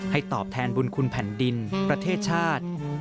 ตอบแทนบุญคุณแผ่นดินประเทศชาติ